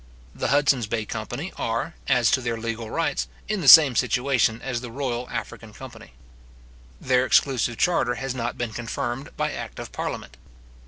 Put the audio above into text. The Hudson's Bay company are, as to their legal rights, in the same situation as the Royal African company. Their exclusive charter has not been confirmed by act of parliament.